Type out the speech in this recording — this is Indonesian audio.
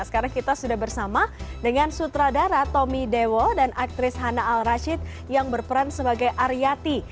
sekarang kita sudah bersama dengan sutradara tommy dewo dan aktris hana al rashid yang berperan sebagai aryati